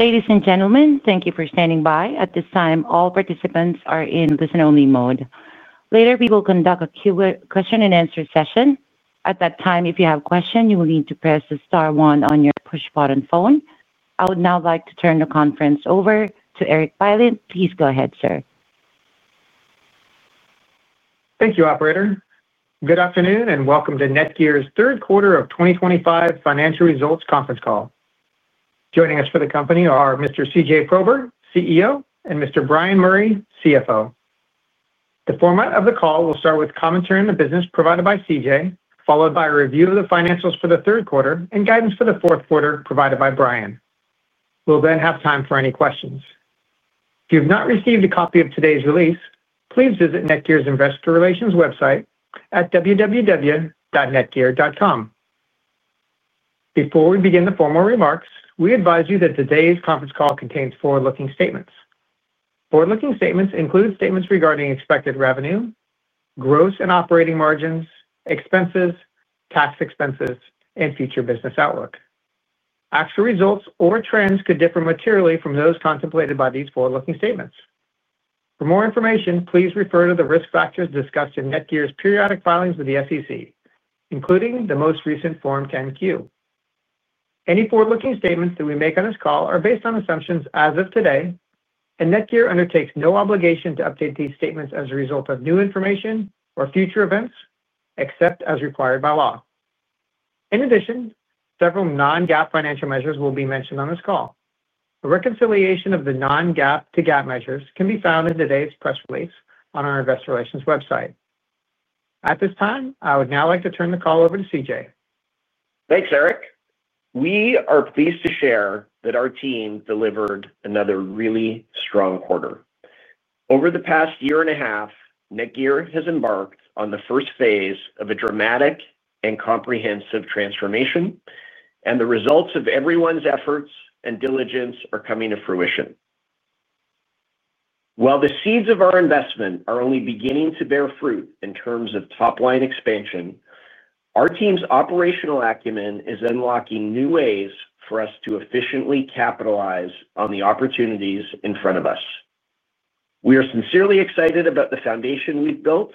Ladies and gentlemen, thank you for standing by. At this time, all participants are in listen-only mode. Later, we will conduct a Q&A session. At that time, if you have questions, you will need to press the star one on your push button phone. I would now like to turn the conference over to Erik Bylin. Please go ahead, sir. Thank you, operator. Good afternoon and welcome to NETGEAR's third quarter of 2025 financial results conference call. Joining us for the company are Mr. CJ Prober, CEO, and Mr. Bryan Murray, CFO. The format of the call will start with commentary on the business provided by CJ, followed by a review of the financials for the third quarter and guidance for the fourth quarter provided by Bryan. We'll then have time for any questions. If you have not received a copy of today's release, please visit NETGEAR's investor relations website at www.netgear.com. Before we begin the formal remarks, we advise you that today's conference call contains forward-looking statements. Forward-looking statements include statements regarding expected revenue, gross and operating margins, expenses, tax expenses, and future business outlook. Actual results or trends could differ materially from those contemplated by these forward-looking statements. For more information, please refer to the risk factors discussed in NETGEAR's periodic filings with the SEC, including the most recent Form 10-Q. Any forward-looking statements that we make on this call are based on assumptions as of today, and NETGEAR undertakes no obligation to update these statements as a result of new information or future events, except as required by law. In addition, several non-GAAP financial measures will be mentioned on this call. A reconciliation of the non-GAAP to GAAP measures can be found in today's press release on our investor relations website. At this time, I would now like to turn the call over to CJ. Thanks, Erik. We are pleased to share that our team delivered another really strong quarter. Over the past year and a half, NETGEAR has embarked on the first phase of a dramatic and comprehensive transformation, and the results of everyone's efforts and diligence are coming to fruition. While the seeds of our investment are only beginning to bear fruit in terms of top-line expansion, our team's operational acumen is unlocking new ways for us to efficiently capitalize on the opportunities in front of us. We are sincerely excited about the foundation we've built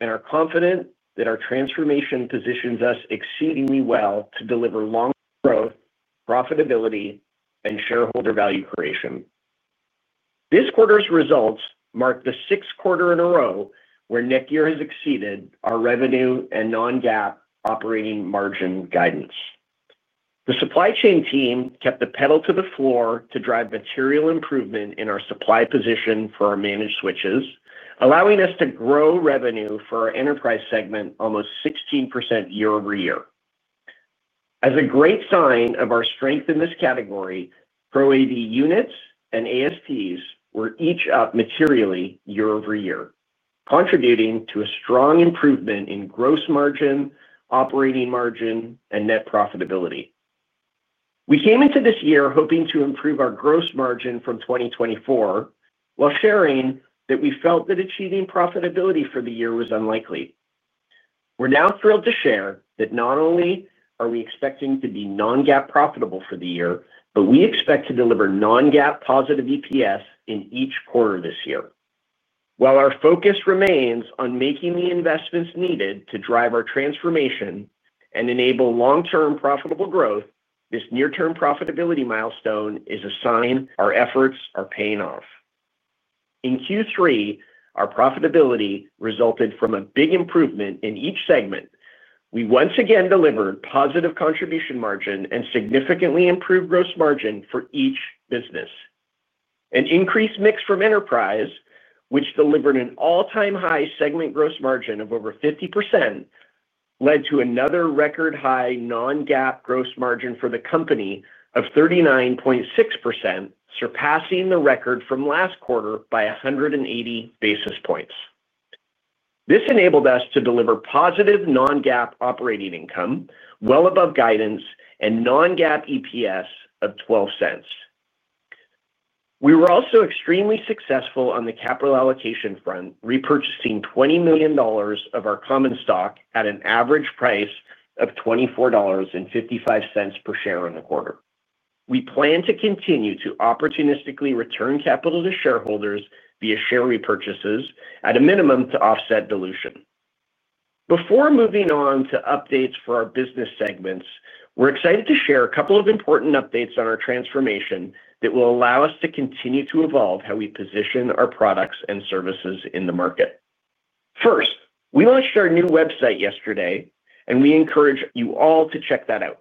and are confident that our transformation positions us exceedingly well to deliver long-term growth, profitability, and shareholder value creation. This quarter's results mark the sixth quarter in a row where NETGEAR has exceeded our revenue and non-GAAP operating margin guidance. The supply chain team kept the pedal to the floor to drive material improvement in our supply position for our managed switches, allowing us to grow revenue for our enterprise segment almost 16% year-over-year. As a great sign of our strength in this category, Pro AV units and ASPs were each up materially year-over-year, contributing to a strong improvement in gross margin, operating margin, and net profitability. We came into this year hoping to improve our gross margin from 2024 while sharing that we felt that achieving profitability for the year was unlikely. We're now thrilled to share that not only are we expecting to be non-GAAP profitable for the year, but we expect to deliver non-GAAP positive EPS in each quarter this year. While our focus remains on making the investments needed to drive our transformation and enable long-term profitable growth, this near-term profitability milestone is a sign our efforts are paying off. In Q3, our profitability resulted from a big improvement in each segment. We once again delivered positive contribution margin and significantly improved gross margin for each business. An increased mix from enterprise, which delivered an all-time high segment gross margin of over 50%, led to another record high non-GAAP gross margin for the company of 39.6%, surpassing the record from last quarter by 180 basis points. This enabled us to deliver positive non-GAAP operating income well above guidance and non-GAAP EPS of $0.12. We were also extremely successful on the capital allocation front, repurchasing $20 million of our common stock at an average price of $24.55 per share in the quarter. We plan to continue to opportunistically return capital to shareholders via share repurchases at a minimum to offset dilution. Before moving on to updates for our business segments, we're excited to share a couple of important updates on our transformation that will allow us to continue to evolve how we position our products and services in the market. First, we launched our new website yesterday, and we encourage you all to check that out.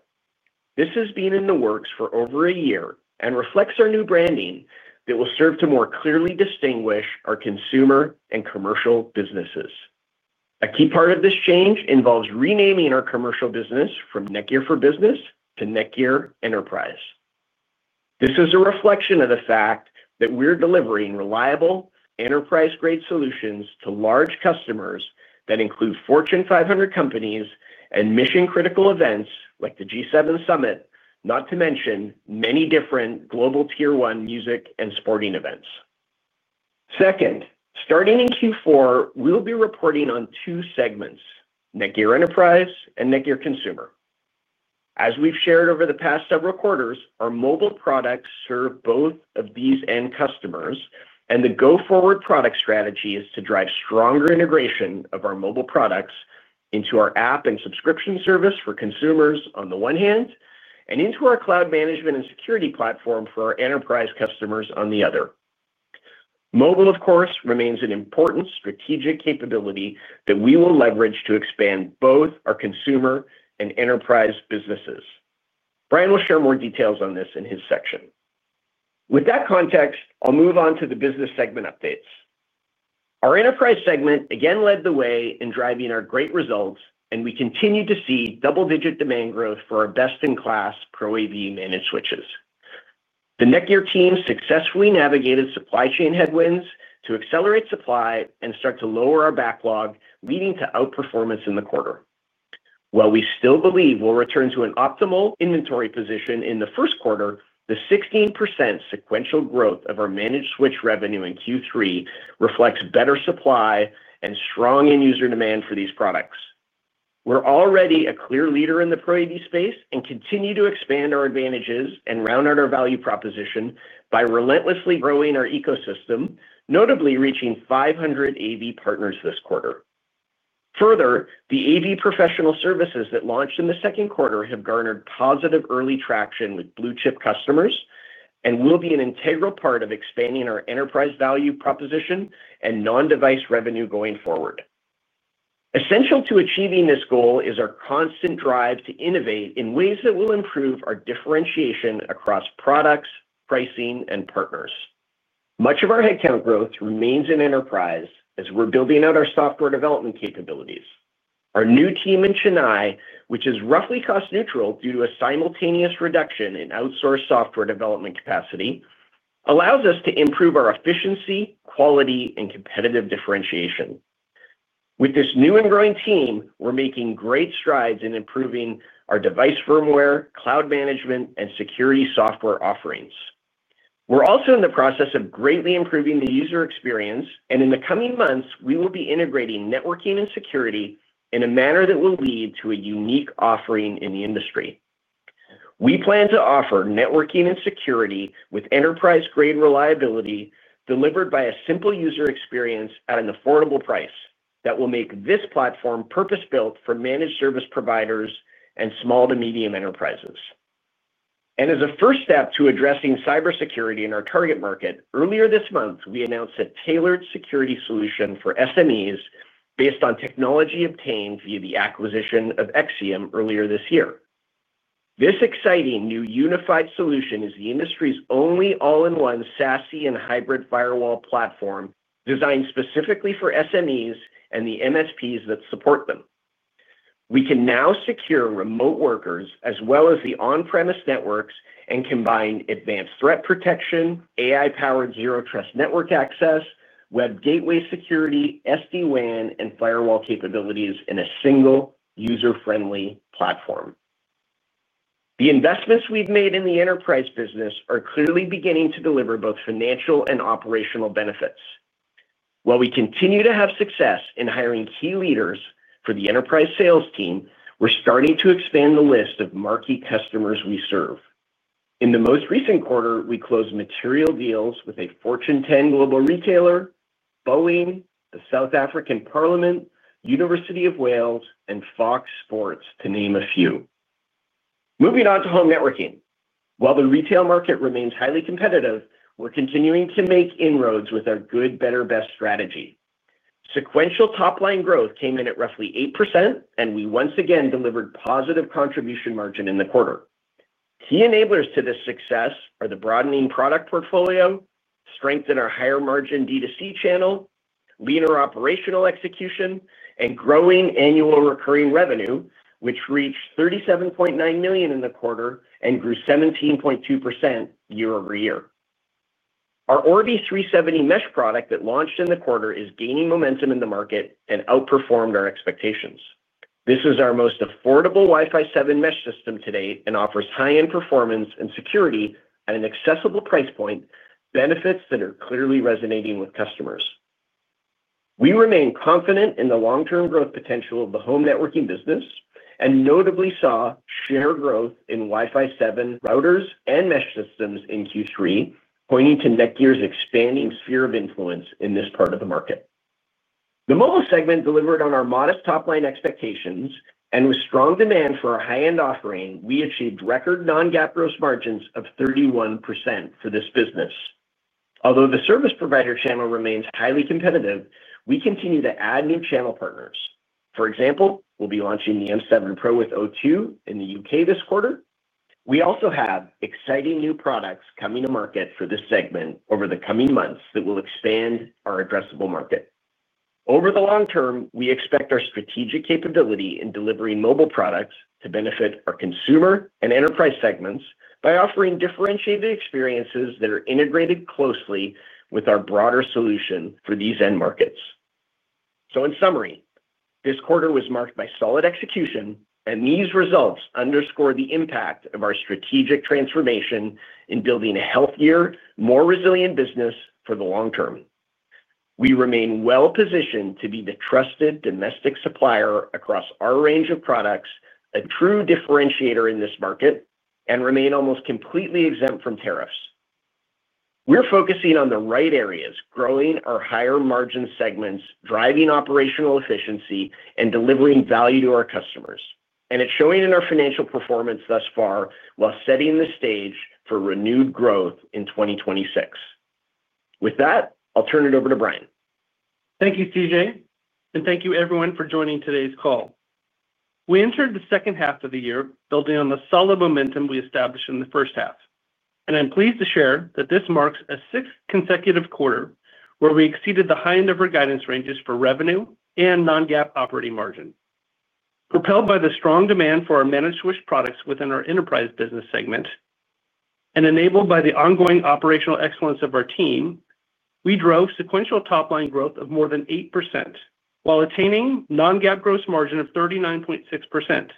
This has been in the works for over a year and reflects our new branding that will serve to more clearly distinguish our consumer and commercial businesses. A key part of this change involves renaming our commercial business from NETGEAR for Business to NETGEAR Enterprise. This is a reflection of the fact that we're delivering reliable enterprise-grade solutions to large customers that include Fortune 500 companies and mission-critical events like the G7 Summit, not to mention many different global tier-one music and sporting events. Second, starting in Q4, we'll be reporting on two segments: NETGEAR Enterprise and NETGEAR Consumer. As we've shared over the past several quarters, our mobile products serve both of these end customers, and the go-forward product strategy is to drive stronger integration of our mobile products into our app and subscription service for consumers on the one hand, and into our cloud management and security platform for our enterprise customers on the other. Mobile, of course, remains an important strategic capability that we will leverage to expand both our consumer and enterprise businesses. Bryan will share more details on this in his section. With that context, I'll move on to the business segment updates. Our enterprise segment again led the way in driving our great results, and we continue to see double-digit demand growth for our best-in-class Pro AV managed switches. The NETGEAR team successfully navigated supply chain headwinds to accelerate supply and start to lower our backlog, leading to outperformance in the quarter. While we still believe we'll return to an optimal inventory position in the first quarter, the 16% sequential growth of our managed switch revenue in Q3 reflects better supply and strong end-user demand for these products. We're already a clear leader in the Pro AV space and continue to expand our advantages and round out our value proposition by relentlessly growing our ecosystem, notably reaching 500 AV partners this quarter. Further, the AV professional services that launched in the second quarter have garnered positive early traction with blue-chip customers and will be an integral part of expanding our enterprise value proposition and non-device revenue going forward. Essential to achieving this goal is our constant drive to innovate in ways that will improve our differentiation across products, pricing, and partners. Much of our headcount growth remains in enterprise as we're building out our software development capabilities. Our new team in Chennai, which is roughly cost neutral due to a simultaneous reduction in outsourced software development capacity, allows us to improve our efficiency, quality, and competitive differentiation. With this new and growing team, we're making great strides in improving our device firmware, cloud management, and security software offerings. We're also in the process of greatly improving the user experience, and in the coming months, we will be integrating networking and security in a manner that will lead to a unique offering in the industry. We plan to offer networking and security with enterprise-grade reliability delivered by a simple user experience at an affordable price that will make this platform purpose-built for managed service providers and small to medium enterprises. As a first step to addressing cybersecurity in our target market, earlier this month, we announced a tailored security solution for SMEs based on technology obtained via the acquisition of Exium earlier this year. This exciting new unified solution is the industry's only all-in-one SASE and hybrid firewall platform designed specifically for SMEs and the MSPs that support them. We can now secure remote workers as well as the on-premise networks and combine advanced threat protection, AI-powered zero-trust network access, web gateway security, SD-WAN, and firewall capabilities in a single user-friendly platform. The investments we've made in the enterprise business are clearly beginning to deliver both financial and operational benefits. While we continue to have success in hiring key leaders for the enterprise sales team, we're starting to expand the list of marquee customers we serve. In the most recent quarter, we closed material deals with a Fortune 10 global retailer, Boeing, the South African Parliament, University of Wales, and Fox Sports, to name a few. Moving on to home networking. While the retail market remains highly competitive, we're continuing to make inroads with our good, better, best strategy. Sequential top-line growth came in at roughly 8%, and we once again delivered positive contribution margin in the quarter. Key enablers to this success are the broadening product portfolio, strength in our higher margin D2C channel, leaner operational execution, and growing annual recurring revenue, which reached $37.9 million in the quarter and grew 17.2% year-over-year. Our Orbi 370 mesh product that launched in the quarter is gaining momentum in the market and outperformed our expectations. This is our most affordable Wi-Fi 7 mesh system to date and offers high-end performance and security at an accessible price point, benefits that are clearly resonating with customers. We remain confident in the long-term growth potential of the home networking business and notably saw share growth in Wi-Fi 7 routers and mesh systems in Q3, pointing to NETGEAR's expanding sphere of influence in this part of the market. The mobile segment delivered on our modest top-line expectations, and with strong demand for our high-end offering, we achieved record non-GAAP gross margins of 31% for this business. Although the service provider channel remains highly competitive, we continue to add new channel partners. For example, we'll be launching the M7 Pro with O2 in the UK this quarter. We also have exciting new products coming to market for this segment over the coming months that will expand our addressable market. Over the long term, we expect our strategic capability in delivering mobile products to benefit our consumer and enterprise segments by offering differentiated experiences that are integrated closely with our broader solution for these end markets. In summary, this quarter was marked by solid execution, and these results underscore the impact of our strategic transformation in building a healthier, more resilient business for the long term. We remain well-positioned to be the trusted domestic supplier across our range of products, a true differentiator in this market, and remain almost completely exempt from tariffs. We're focusing on the right areas, growing our higher margin segments, driving operational efficiency, and delivering value to our customers. It's showing in our financial performance thus far while setting the stage for renewed growth in 2026. With that, I'll turn it over to Bryan. Thank you, CJ, and thank you, everyone, for joining today's call. We entered the second half of the year building on the solid momentum we established in the first half. I'm pleased to share that this marks a sixth consecutive quarter where we exceeded the high-end of our guidance ranges for revenue and non-GAAP operating margin. Propelled by the strong demand for our managed switch products within our enterprise business segment and enabled by the ongoing operational excellence of our team, we drove sequential top-line growth of more than 8% while attaining non-GAAP gross margin of 39.6%,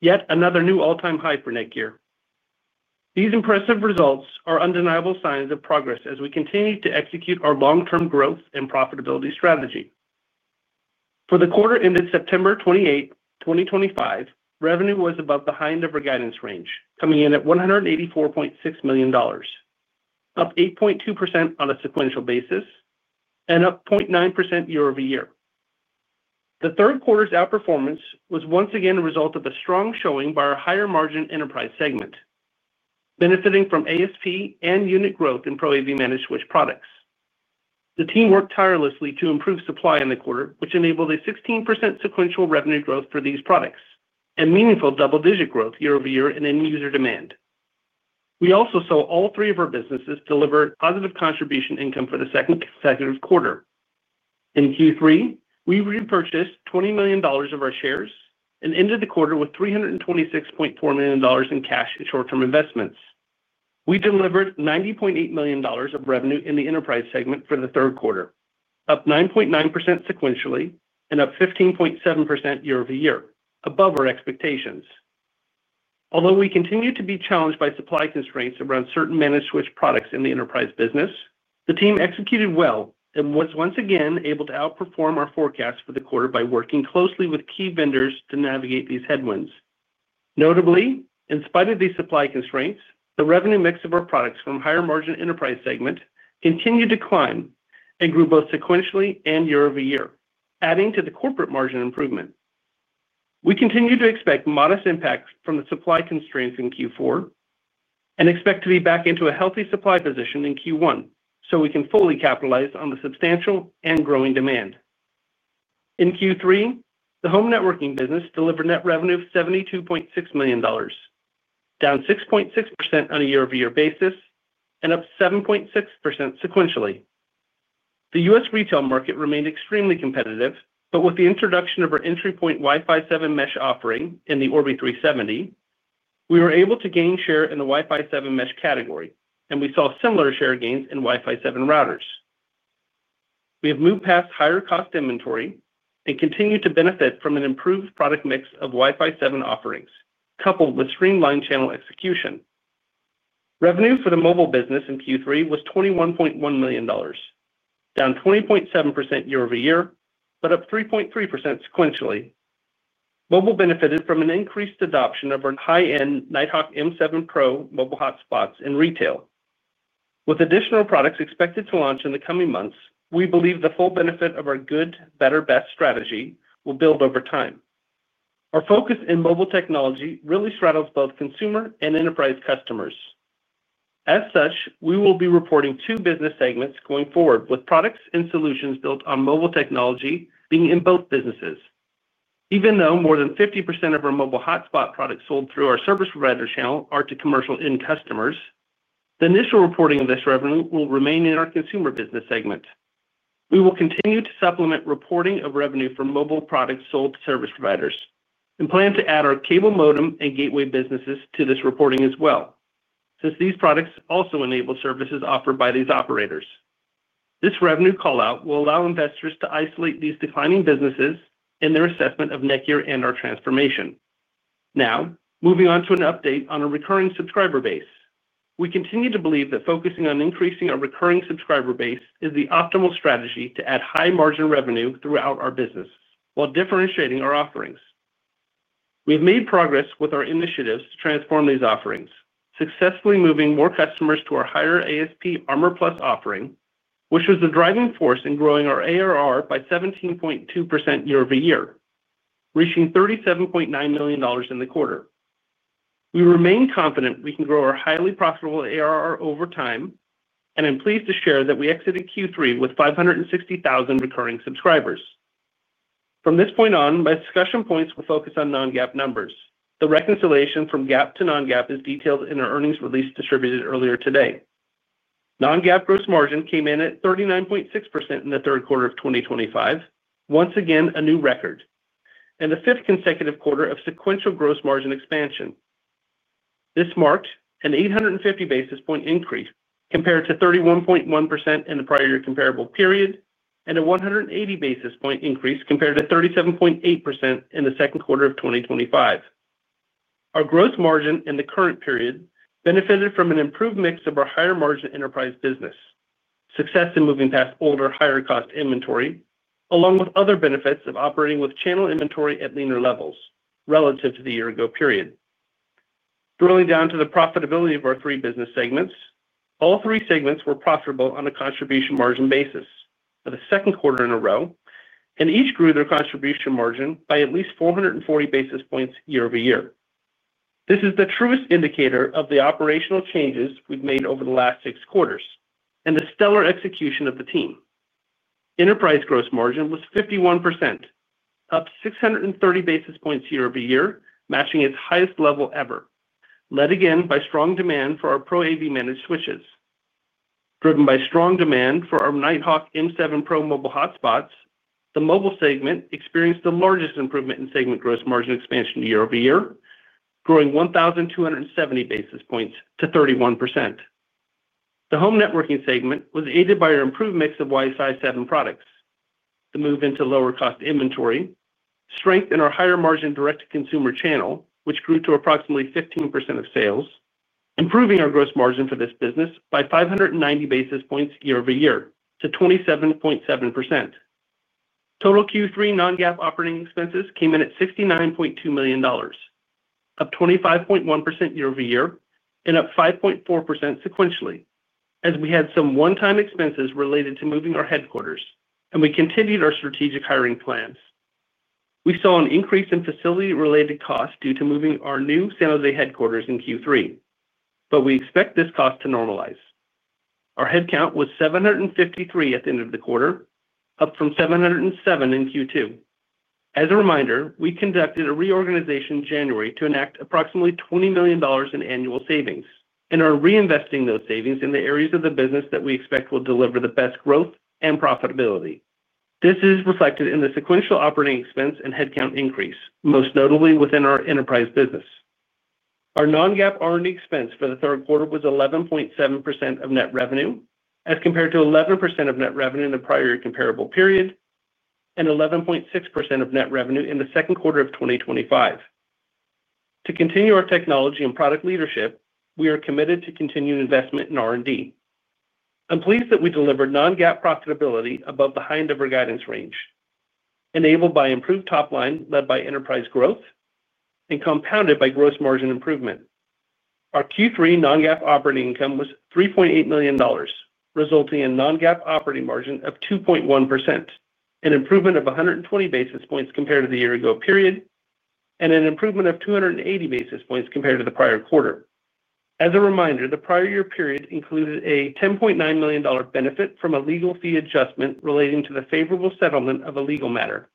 yet another new all-time high for NETGEAR. These impressive results are undeniable signs of progress as we continue to execute our long-term growth and profitability strategy. For the quarter ended September 28, 2025, revenue was above the high-end of our guidance range, coming in at $184.6 million, up 8.2% on a sequential basis, and up 0.9% year-over-year. The third quarter's outperformance was once again a result of a strong showing by our higher margin enterprise segment, benefiting from ASP and unit growth in Pro AV managed switch products. The team worked tirelessly to improve supply in the quarter, which enabled a 16% sequential revenue growth for these products and meaningful double-digit growth year-over-year in end-user demand. We also saw all three of our businesses deliver positive contribution income for the second consecutive quarter. In Q3, we repurchased $20 million of our shares and ended the quarter with $326.4 million in cash and short-term investments. We delivered $90.8 million of revenue in the enterprise segment for the third quarter, up 9.9% sequentially and up 15.7% year-over-year, above our expectations. Although we continue to be challenged by supply constraints around certain managed switch products in the enterprise business, the team executed well and was once again able to outperform our forecast for the quarter by working closely with key vendors to navigate these headwinds. Notably, in spite of these supply constraints, the revenue mix of our products from higher margin enterprise segment continued to climb and grew both sequentially and year-over-year, adding to the corporate margin improvement. We continue to expect modest impacts from the supply constraints in Q4 and expect to be back into a healthy supply position in Q1 so we can fully capitalize on the substantial and growing demand. In Q3, the home networking business delivered net revenue of $72.6 million, down 6.6% on a year-over-year basis and up 7.6% sequentially. The U.S. retail market remained extremely competitive, but with the introduction of our entry point Wi-Fi 7 mesh offering in the Orbi 370, we were able to gain share in the Wi-Fi 7 mesh category, and we saw similar share gains in Wi-Fi 7 routers. We have moved past higher cost inventory and continue to benefit from an improved product mix of Wi-Fi 7 offerings, coupled with streamlined channel execution. Revenue for the mobile business in Q3 was $21.1 million, down 20.7% year-over-year, but up 3.3% sequentially. Mobile benefited from an increased adoption of our high-end Nighthawk M7 Pro mobile hotspots in retail. With additional products expected to launch in the coming months, we believe the full benefit of our good, better, best strategy will build over time. Our focus in mobile technology really straddles both consumer and enterprise customers. As such, we will be reporting two business segments going forward with products and solutions built on mobile technology being in both businesses. Even though more than 50% of our mobile hotspot products sold through our service provider channel are to commercial end customers, the initial reporting of this revenue will remain in our consumer business segment. We will continue to supplement reporting of revenue for mobile products sold to service providers and plan to add our cable modem and gateway businesses to this reporting as well, since these products also enable services offered by these operators. This revenue callout will allow investors to isolate these declining businesses in their assessment of NETGEAR and our transformation. Now, moving on to an update on our recurring subscriber base. We continue to believe that focusing on increasing our recurring subscriber base is the optimal strategy to add high margin revenue throughout our business while differentiating our offerings. We've made progress with our initiatives to transform these offerings, successfully moving more customers to our higher ASP Armor Plus offering, which was the driving force in growing our ARR by 17.2% year-over-year, reaching $37.9 million in the quarter. We remain confident we can grow our highly profitable ARR over time, and I'm pleased to share that we exited Q3 with 560,000 recurring subscribers. From this point on, my discussion points will focus on non-GAAP numbers. The reconciliation from GAAP to non-GAAP is detailed in our earnings release distributed earlier today. Non-GAAP gross margin came in at 39.6% in the third quarter of 2025, once again a new record, and the fifth consecutive quarter of sequential gross margin expansion. This marked an 850 basis point increase compared to 31.1% in the prior year comparable period and a 180 basis point increase compared to 37.8% in the second quarter of 2025. Our gross margin in the current period benefited from an improved mix of our higher margin enterprise business, success in moving past older higher cost inventory, along with other benefits of operating with channel inventory at leaner levels relative to the year ago period. Drilling down to the profitability of our three business segments, all three segments were profitable on a contribution margin basis for the second quarter in a row, and each grew their contribution margin by at least 440 basis points year-over-year. This is the truest indicator of the operational changes we've made over the last six quarters and the stellar execution of the team. Enterprise gross margin was 51%, up 630 basis points year-over-year, matching its highest level ever, led again by strong demand for our Pro AV managed switches. Driven by strong demand for our Nighthawk M7 Pro mobile hotspots, the mobile segment experienced the largest improvement in segment gross margin expansion year-over-year, growing 1,270 basis points to 31%. The home networking segment was aided by our improved mix of Wi-Fi 7 products, the move into lower cost inventory, strength in our higher margin direct-to-consumer channel, which grew to approximately 15% of sales, improving our gross margin for this business by 590 basis points year-over-year to 27.7%. Total Q3 non-GAAP operating expenses came in at $69.2 million, up 25.1% year-over-year and up 5.4% sequentially, as we had some one-time expenses related to moving our headquarters, and we continued our strategic hiring plans. We saw an increase in facility-related costs due to moving our new San Jose headquarters in Q3, but we expect this cost to normalize. Our headcount was 753 at the end of the quarter, up from 707 in Q2. As a reminder, we conducted a reorganization in January to enact approximately $20 million in annual savings, and are reinvesting those savings in the areas of the business that we expect will deliver the best growth and profitability. This is reflected in the sequential operating expense and headcount increase, most notably within our enterprise business. Our non-GAAP R&D expense for the third quarter was 11.7% of net revenue, as compared to 11% of net revenue in the prior year comparable period, and 11.6% of net revenue in the second quarter of 2025. To continue our technology and product leadership, we are committed to continued investment in R&D. I'm pleased that we delivered non-GAAP profitability above the high-end of our guidance range, enabled by improved top line led by enterprise growth and compounded by gross margin improvement. Our Q3 non-GAAP operating income was $3.8 million, resulting in a non-GAAP operating margin of 2.1%, an improvement of 120 basis points compared to the year ago period, and an improvement of 280 basis points compared to the prior quarter. As a reminder, the prior year period included a $10.9 million benefit from a legal fee adjustment relating to the favorable settlement of a legal matter.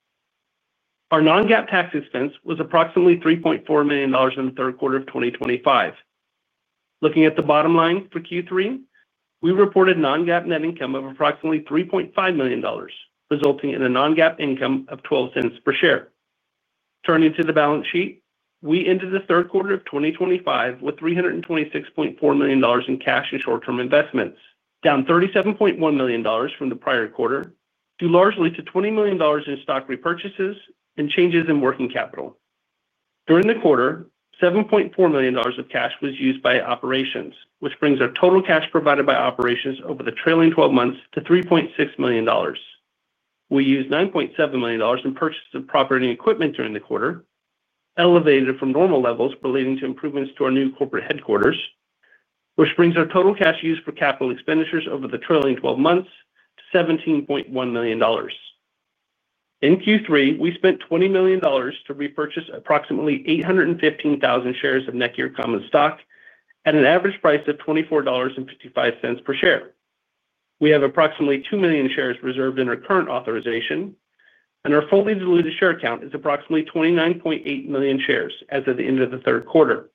Our non-GAAP tax expense was approximately $3.4 million in the third quarter of 2025. Looking at the bottom line for Q3, we reported non-GAAP net income of approximately $3.5 million, resulting in a non-GAAP income of $0.12 per share. Turning to the balance sheet, we ended the third quarter of 2025 with $326.4 million in cash and short-term investments, down $37.1 million from the prior quarter, due largely to $20 million in stock repurchases and changes in working capital. During the quarter, $7.4 million of cash was used by operations, which brings our total cash provided by operations over the trailing 12 months to $3.6 million. We used $9.7 million in purchase of property and equipment during the quarter, elevated from normal levels relating to improvements to our new corporate headquarters, which brings our total cash used for capital expenditures over the trailing 12 months to $17.1 million. In Q3, we spent $20 million to repurchase approximately 815,000 shares of NETGEAR common stock at an average price of $24.55 per share. We have approximately 2 million shares reserved in our current authorization, and our fully diluted share count is approximately 29.8 million shares as of the end of the third quarter.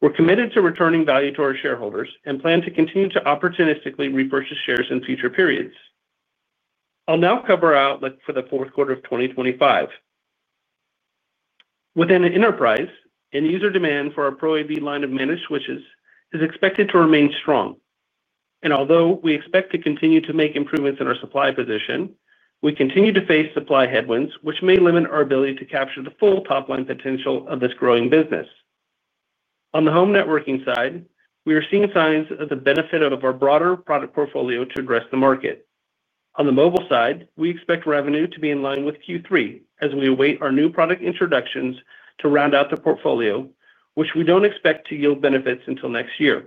We're committed to returning value to our shareholders and plan to continue to opportunistically repurchase shares in future periods. I'll now cover our outlook for the fourth quarter of 2025. Within enterprise, end-user demand for our Pro AV line of managed switches is expected to remain strong. Although we expect to continue to make improvements in our supply position, we continue to face supply headwinds, which may limit our ability to capture the full top-line potential of this growing business. On the home networking side, we are seeing signs of the benefit of our broader product portfolio to address the market. On the mobile side, we expect revenue to be in line with Q3 as we await our new product introductions to round out the portfolio, which we don't expect to yield benefits until next year.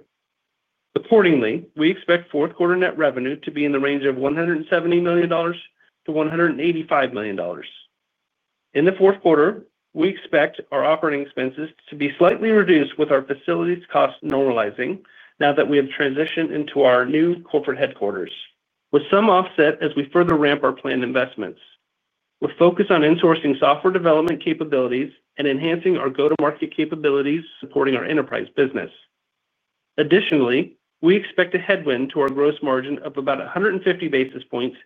Accordingly, we expect fourth quarter net revenue to be in the range of $170 million-$185 million. In the fourth quarter, we expect our operating expenses to be slightly reduced with our facilities costs normalizing now that we have transitioned into our new corporate headquarters, with some offset as we further ramp our planned investments. We're focused on insourcing software development capabilities and enhancing our go-to-market capabilities supporting our enterprise business. Additionally, we expect a headwind to our gross margin of about 150 basis points,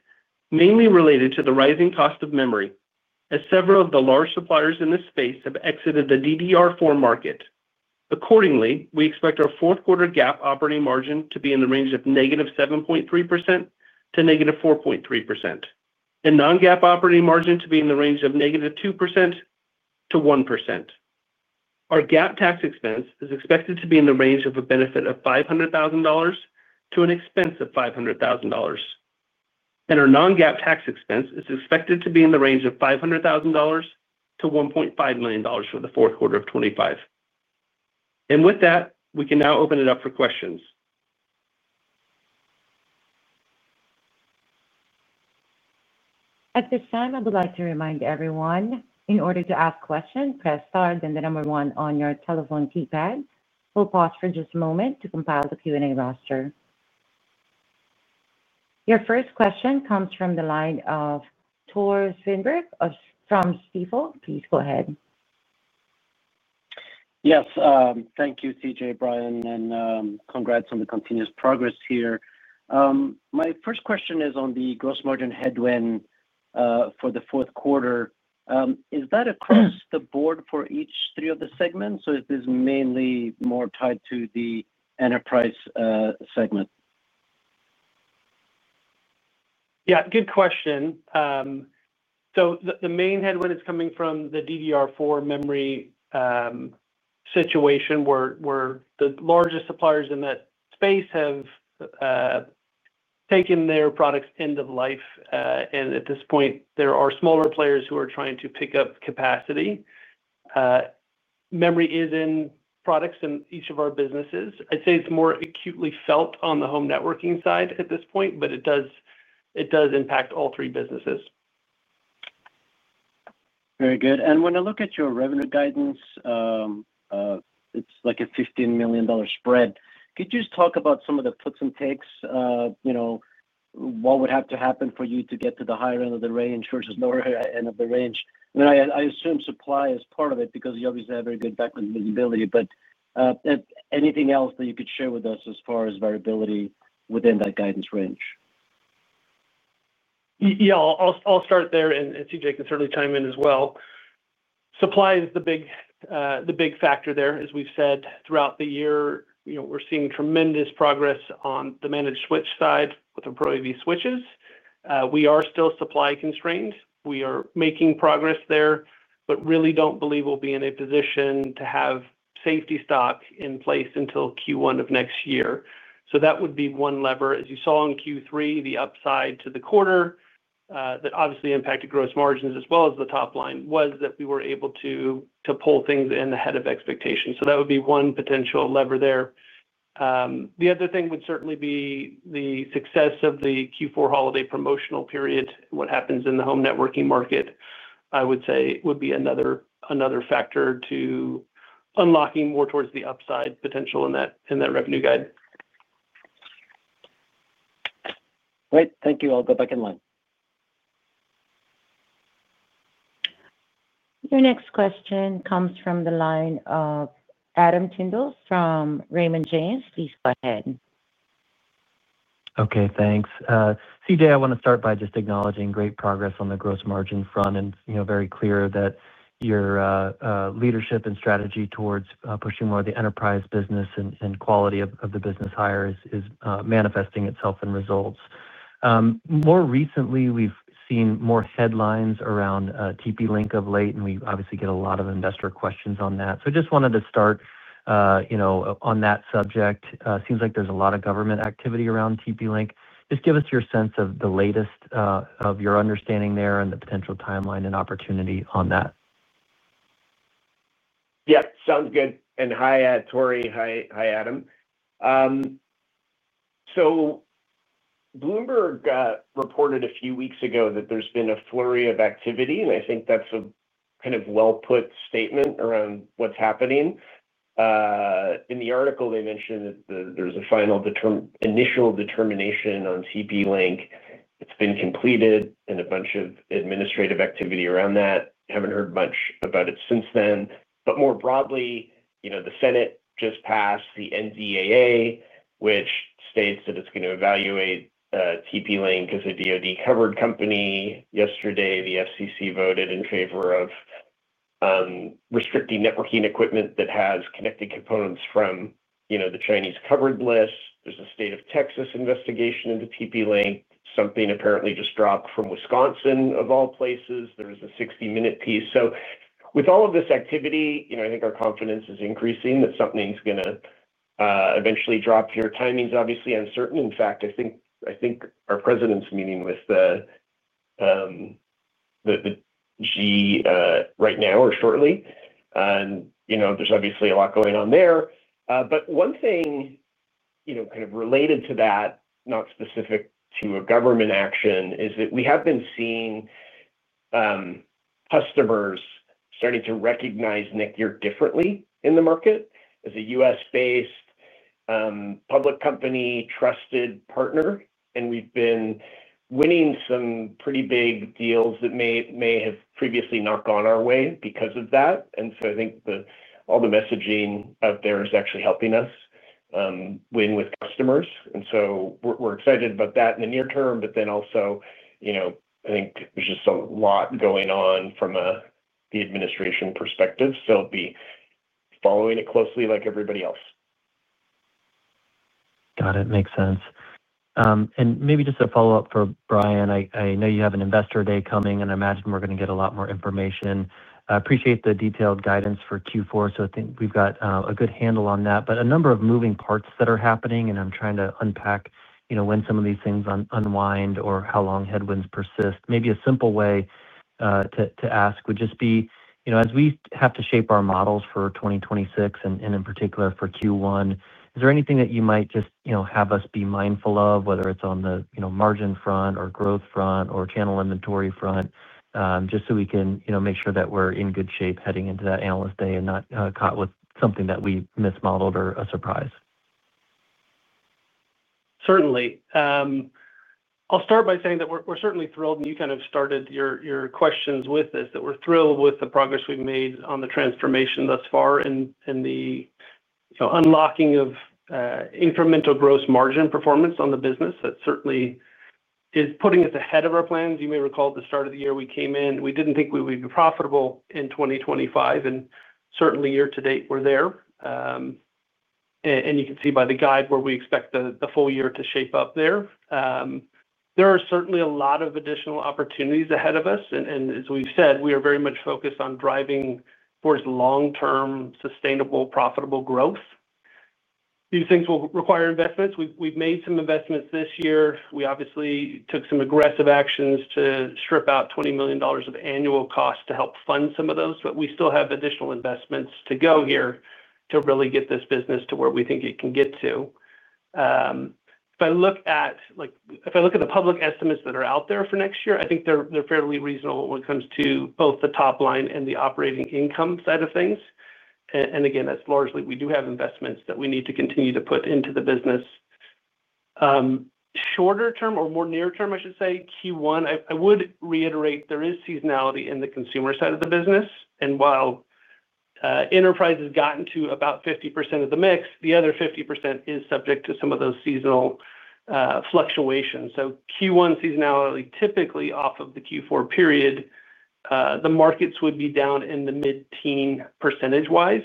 mainly related to the rising cost of memory, as several of the large suppliers in this space have exited the DDR4 market. Accordingly, we expect our fourth quarter GAAP operating margin to be in the range of -7.3% to -4.3%, and non-GAAP operating margin to be in the range of -2% to 1%. Our GAAP tax expense is expected to be in the range of a benefit of $500,000 to an expense of $500,000, and our non-GAAP tax expense is expected to be in the range of $500,000-$1.5 million for the fourth quarter of 2025. With that, we can now open it up for questions. At this time, I would like to remind everyone, in order to ask questions, press star then the number one on your telephone keypad. We'll pause for just a moment to compile the Q&A roster. Your first question comes from the line of Tore Svanberg from Stifel. Please go ahead. Yes. Thank you, CJ, Bryan, and congrats on the continuous progress here. My first question is on the gross margin headwind for the fourth quarter. Is that across the board for each three of the segments, or is this mainly more tied to the enterprise segment? Good question. The main headwind is coming from the DDR4 memory situation, where the largest suppliers in that space have taken their products end of life. At this point, there are smaller players who are trying to pick up capacity. Memory is in products in each of our businesses. I'd say it's more acutely felt on the home networking side at this point, but it does impact all three businesses. Very good. When I look at your revenue guidance, it's like a $15 million spread. Could you just talk about some of the puts and takes? What would have to happen for you to get to the higher end of the range versus the lower end of the range? I assume supply is part of it because you obviously have very good background visibility, but anything else that you could share with us as far as variability within that guidance range? Yeah, I'll start there, and CJ can certainly chime in as well. Supply is the big factor there. As we've said throughout the year, we're seeing tremendous progress on the managed switch side with the Pro AV switches. We are still supply constrained. We are making progress there, but really don't believe we'll be in a position to have safety stock in place until Q1 of next year. That would be one lever. As you saw in Q3, the upside to the quarter that obviously impacted gross margins as well as the top line was that we were able to pull things in ahead of expectation. That would be one potential lever there. The other thing would certainly be the success of the Q4 holiday promotional period. What happens in the home networking market, I would say, would be another factor to unlocking more towards the upside potential in that revenue guide. Great. Thank you. I'll go back in line. Your next question comes from the line of Adam Tindle from Raymond James. Please go ahead. Okay, thanks. CJ, I want to start by just acknowledging great progress on the gross margin front, and it's very clear that your leadership and strategy towards pushing more of the enterprise business and quality of the business higher is manifesting itself in results. More recently, we've seen more headlines around TP-Link of late, and we obviously get a lot of investor questions on that. I just wanted to start on that subject. It seems like there's a lot of government activity around TP-Link. Just give us your sense of the latest of your understanding there and the potential timeline and opportunity on that. Yeah, sounds good. Hi, Tore. Hi, Adam. Bloomberg reported a few weeks ago that there's been a flurry of activity, and I think that's a kind of well-put statement around what's happening. In the article, they mentioned that there's a final initial determination on TP-Link. It's been completed and a bunch of administrative activity around that. I haven't heard much about it since then. More broadly, the Senate just passed the NDAA, which states that it's going to evaluate TP-Link as a DoD covered company. Yesterday, the FCC voted in favor of restricting networking equipment that has connected components from the Chinese covered list. There's a state of Texas investigation into TP-Link. Something apparently just dropped from Wisconsin, of all places. There's a 60-minute piece. With all of this activity, I think our confidence is increasing that something's going to eventually drop here. Timing's obviously uncertain. In fact, I think our president's meeting with the G right now or shortly. There's obviously a lot going on there. One thing, kind of related to that, not specific to a government action, is that we have been seeing customers starting to recognize NETGEAR differently in the market as a U.S.-based public company trusted partner. We've been winning some pretty big deals that may have previously not gone our way because of that. I think all the messaging out there is actually helping us win with customers. We're excited about that in the near term, but then also, I think there's just a lot going on from the administration perspective. I'll be following it closely like everybody else. Got it. Makes sense. Maybe just a follow-up for Bryan. I know you have an Investor Day coming, and I imagine we're going to get a lot more information. I appreciate the detailed guidance for Q4. I think we've got a good handle on that. There are a number of moving parts that are happening, and I'm trying to unpack when some of these things unwind or how long headwinds persist. Maybe a simple way to ask would just be, as we have to shape our models for 2026 and in particular for Q1, is there anything that you might just have us be mindful of, whether it's on the margin front or growth front or channel inventory front, just so we can make sure that we're in good shape heading into that analyst day and not caught with something that we mismodeled or a surprise? Certainly. I'll start by saying that we're certainly thrilled, and you kind of started your questions with this, that we're thrilled with the progress we've made on the transformation thus far and the, you know, unlocking of incremental gross margin performance on the business that certainly is putting us ahead of our plans. You may recall at the start of the year we came in, we didn't think we would be profitable in 2025, and certainly year-to-date we're there. You can see by the guide where we expect the full year to shape up there. There are certainly a lot of additional opportunities ahead of us. As we've said, we are very much focused on driving towards long-term sustainable profitable growth. These things will require investments. We've made some investments this year. We obviously took some aggressive actions to strip out $20 million of annual costs to help fund some of those, but we still have additional investments to go here to really get this business to where we think it can get to. If I look at, like, if I look at the public estimates that are out there for next year, I think they're fairly reasonable when it comes to both the top line and the operating income side of things. Again, that's largely we do have investments that we need to continue to put into the business. Shorter term or more near term, I should say, Q1, I would reiterate there is seasonality in the consumer side of the business. While enterprise has gotten to about 50% of the mix, the other 50% is subject to some of those seasonal fluctuations. Q1 seasonality, typically off of the Q4 period, the markets would be down in the mid-teen, percentage wise.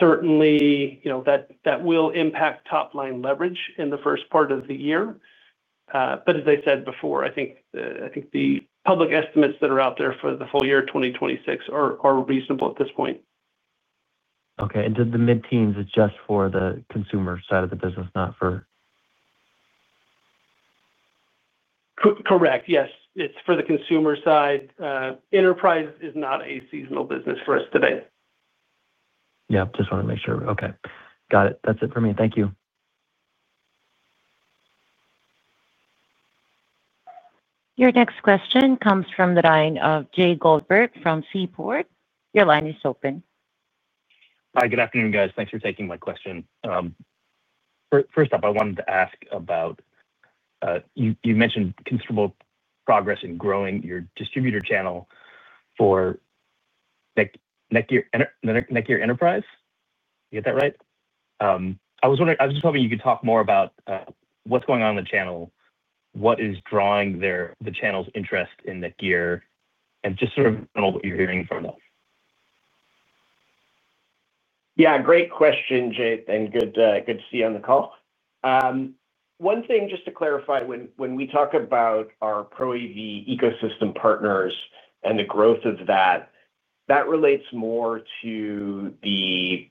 Certainly, you know, that will impact top line leverage in the first part of the year. As I said before, I think the public estimates that are out there for the full year of 2026 are reasonable at this point. Okay. Did the mid-teens adjust for the consumer side of the business, not for? Correct. Yes, it's for the consumer side. Enterprise is not a seasonal business for us today. Yeah, just wanted to make sure. Okay, got it. That's it for me. Thank you. Your next question comes from the line of Jay Goldberg from Seaport. Your line is open. Hi. Good afternoon, guys. Thanks for taking my question. First off, I wanted to ask about you mentioned considerable progress in growing your distributor channel for NETGEAR Enterprise. Did I get that right? I was wondering if you could talk more about what's going on in the channel, what is drawing the channel's interest in NETGEAR, and just sort of generally what you're hearing from them. Yeah, great question, Jay, and good to see you on the call. One thing just to clarify, when we talk about our Pro AV ecosystem partners and the growth of that, that relates more to the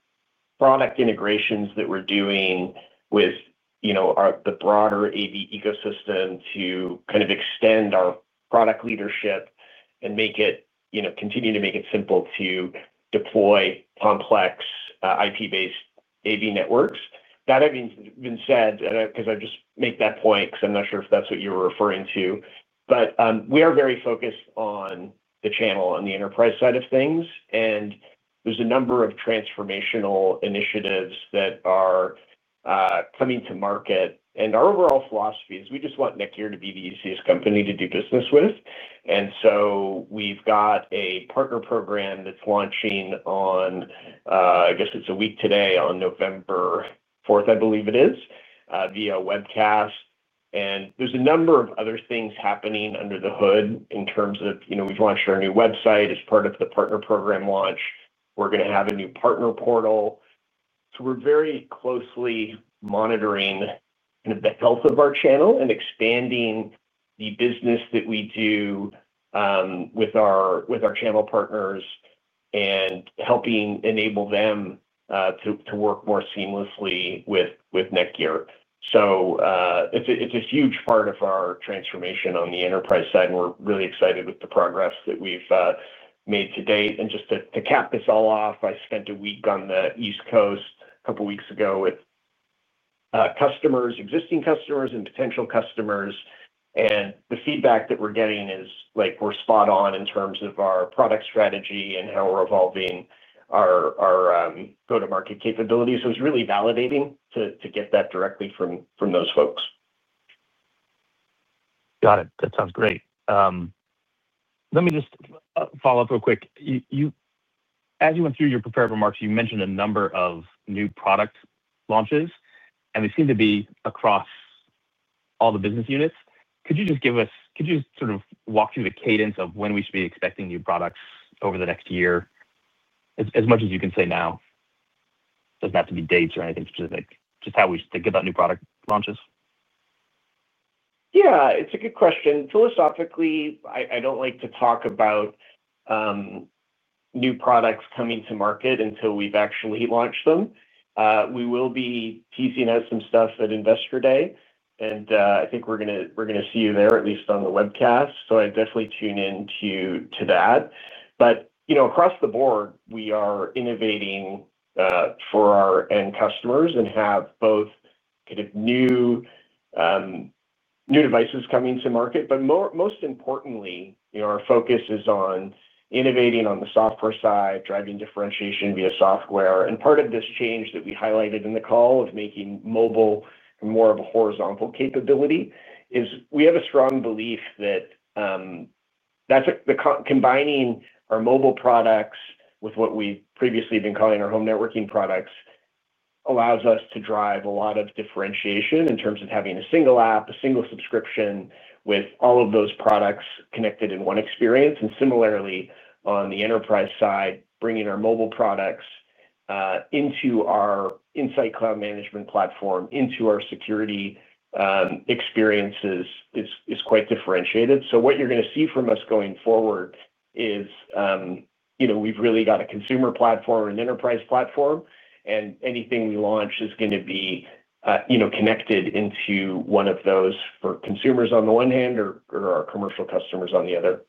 product integrations that we're doing with the broader AV ecosystem to kind of extend our product leadership and continue to make it simple to deploy complex IP-based AV networks. That being said, I just make that point because I'm not sure if that's what you were referring to, but we are very focused on the channel on the enterprise side of things. There are a number of transformational initiatives that are coming to market. Our overall philosophy is we just want NETGEAR to be the easiest company to do business with. We've got a partner program that's launching on, I guess it's a week today, on November 4, I believe it is, via webcast. There are a number of other things happening under the hood in terms of we've launched our new website as part of the partner program launch. We're going to have a new partner portal. We're very closely monitoring the health of our channel and expanding the business that we do with our channel partners and helping enable them to work more seamlessly with NETGEAR. It's a huge part of our transformation on the enterprise side, and we're really excited with the progress that we've made to date. Just to cap this all off, I spent a week on the East Coast a couple of weeks ago with customers, existing customers, and potential customers. The feedback that we're getting is we're spot on in terms of our product strategy and how we're evolving our go-to-market capabilities. It was really validating to get that directly from those folks. Got it. That sounds great. Let me just follow up real quick. As you went through your prepared remarks, you mentioned a number of new product launches, and they seem to be across all the business units. Could you just give us, could you just sort of walk through the cadence of when we should be expecting new products over the next year? As much as you can say now, it doesn't have to be dates or anything specific, just how we should think about new product launches. Yeah, it's a good question. Philosophically, I don't like to talk about new products coming to market until we've actually launched them. We will be teasing out some stuff at Investor Day, and I think we're going to see you there, at least on the webcast. I definitely tune into that. Across the board, we are innovating for our end customers and have both kind of new devices coming to market. Most importantly, our focus is on innovating on the software side, driving differentiation via software. Part of this change that we highlighted in the call of making mobile more of a horizontal capability is we have a strong belief that combining our mobile products with what we've previously been calling our home networking products allows us to drive a lot of differentiation in terms of having a single app, a single subscription with all of those products connected in one experience. Similarly, on the enterprise side, bringing our mobile products into our Insight Cloud management platform, into our security experiences is quite differentiated. What you're going to see from us going forward is we've really got a consumer platform or an enterprise platform, and anything we launch is going to be connected into one of those for consumers on the one hand or our commercial customers on the other.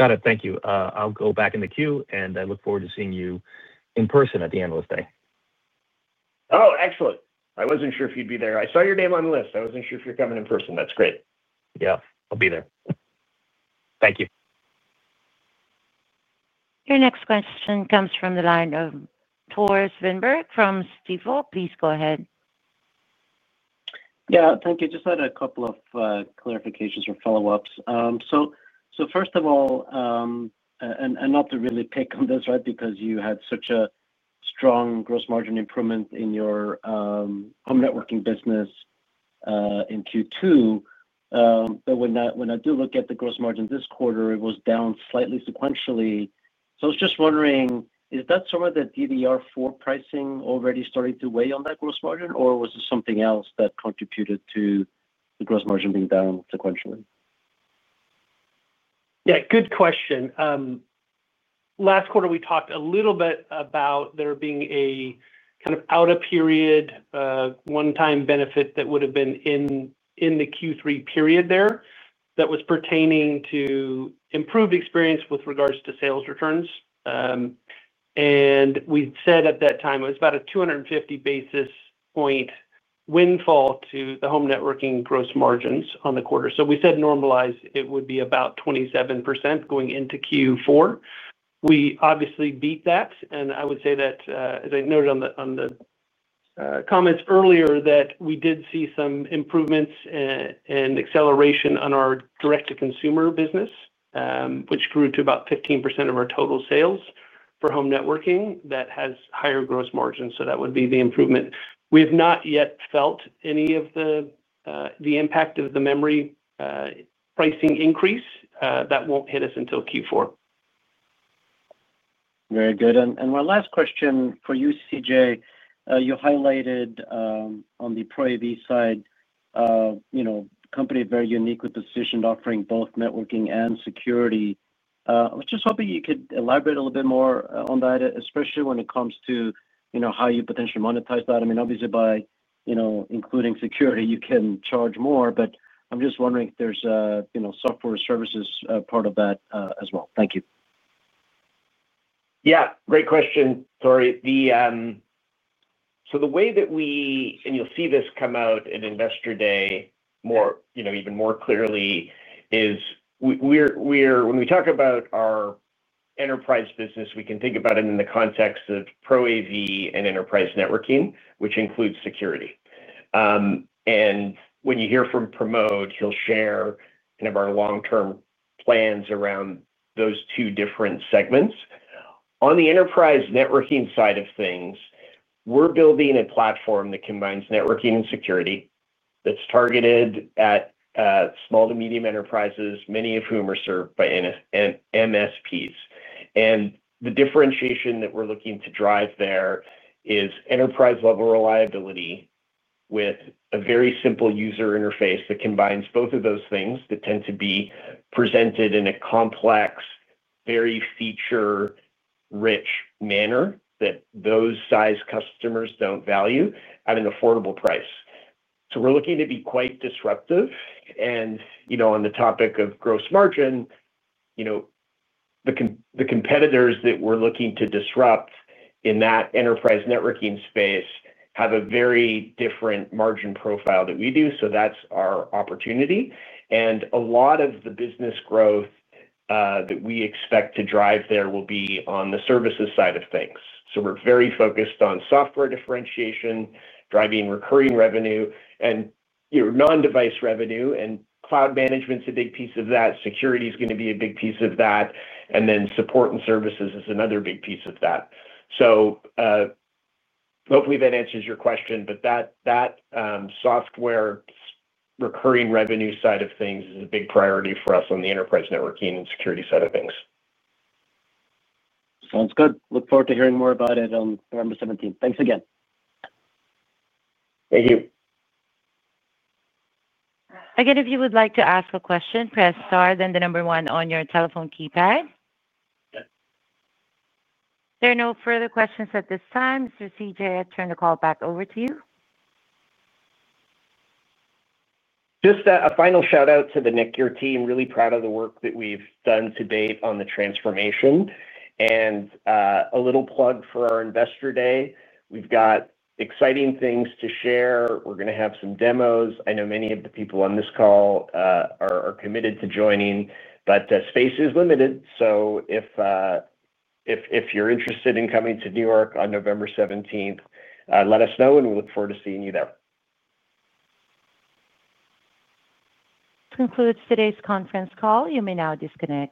Got it. Thank you. I'll go back in the queue, and I look forward to seeing you in person at the Analyst Day. Oh, excellent. I wasn't sure if you'd be there. I saw your name on the list. I wasn't sure if you're coming in person. That's great. Yeah, I'll be there. Thank you. Your next question comes from the line of Tore Svanberg from Stifel. Please go ahead. Thank you. Just had a couple of clarifications or follow-ups. First of all, not to really pick on this, right, because you had such a strong gross margin improvement in your home networking business in Q2. When I do look at the gross margin this quarter, it was down slightly sequentially. I was just wondering, is that some of the DDR4 pricing already starting to weigh on that gross margin, or was it something else that contributed to the gross margin being down sequentially? Good question. Last quarter, we talked a little bit about there being a kind of out-of-period one-time benefit that would have been in the Q3 period that was pertaining to improved experience with regards to sales returns. We said at that time it was about a 250 basis point windfall to the home networking gross margins on the quarter. We said normalized it would be about 27% going into Q4. We obviously beat that. I would say that, as I noted in the comments earlier, we did see some improvements and acceleration on our direct-to-consumer business, which grew to about 15% of our total sales for home networking. That has higher gross margins. That would be the improvement. We have not yet felt any of the impact of the memory pricing increase. That won't hit us until Q4. Very good. My last question for you, CJ, you highlighted on the Pro AV side the company is very uniquely positioned offering both networking and security. I was just hoping you could elaborate a little bit more on that, especially when it comes to how you potentially monetize that. I mean, obviously, by including security, you can charge more. I'm just wondering if there's a software services part of that as well. Thank you. Yeah, great question, Tore. The way that we, and you'll see this come out in Investor Day even more clearly, is when we talk about our enterprise business, we can think about it in the context of Pro AV and enterprise networking, which includes security. When you hear from Pramod, he'll share kind of our long-term plans around those two different segments. On the enterprise networking side of things, we're building a platform that combines networking and security that's targeted at small to medium enterprises, many of whom are served by MSPs. The differentiation that we're looking to drive there is enterprise-level reliability with a very simple user interface that combines both of those things that tend to be presented in a complex, very feature-rich manner that those size customers don't value at an affordable price. We're looking to be quite disruptive. On the topic of gross margin, the competitors that we're looking to disrupt in that enterprise networking space have a very different margin profile than we do. That's our opportunity. A lot of the business growth that we expect to drive there will be on the services side of things. We're very focused on software differentiation, driving recurring revenue, and your non-device revenue. Cloud management is a big piece of that. Security is going to be a big piece of that. Support and services is another big piece of that. Hopefully, that answers your question, but that software recurring revenue side of things is a big priority for us on the enterprise networking and security side of things. Sounds good. Look forward to hearing more about it on November 17. Thanks again. Thank you. Again, if you would like to ask a question, press star then the number one on your telephone keypad. There are no further questions at this time. Mr. CJ, I'll turn the call back over to you. Just a final shout out to the NETGEAR team. Really proud of the work that we've done to date on the transformation. A little plug for our Investor Day. We've got exciting things to share. We're going to have some demos. I know many of the people on this call are committed to joining, but space is limited. If you're interested in coming to New York on November 17th, let us know, and we look forward to seeing you there. This concludes today's conference call. You may now disconnect.